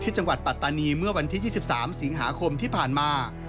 จังหวัดปัตตานีเมื่อวันที่๒๓สิงหาคมที่ผ่านมา